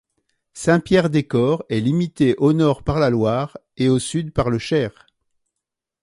Saint-Pierre-des-Corps est limitée au nord par la Loire et au sud par le Cher.